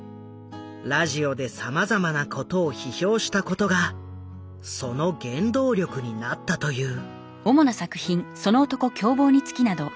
ラジオでさまざまなことを批評したことがその原動力になったという。